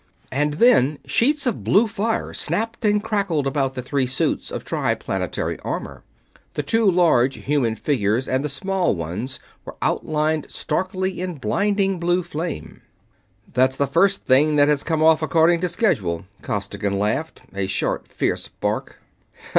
And then sheets of blue fire snapped and crackled about the three suits of Triplanetary armor the two large human figures and the small ones were outlined starkly in blinding blue flame. "That's the first thing that has come off according to schedule." Costigan laughed, a short, fierce bark.